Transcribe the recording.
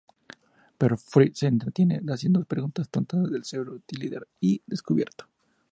Pero Fry se entretiene haciendo preguntas tontas al cerebro líder y es descubierto.